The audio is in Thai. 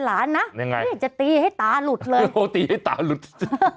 หลานนะเนี้ยไงจะตีให้ตาหลุดเลยอ๋อตีให้ตาหลุดอ่า